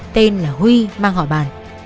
tên là huy mang họ bàn